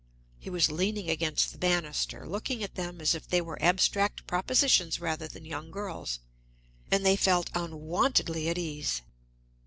He was leaning against the banister, looking at them as if they were abstract propositions rather than young girls, and they felt unwontedly at ease.